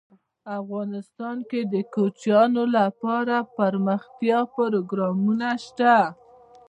افغانستان کې د کوچیان لپاره دپرمختیا پروګرامونه شته.